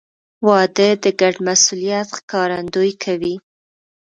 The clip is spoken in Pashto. • واده د ګډ مسؤلیت ښکارندویي کوي.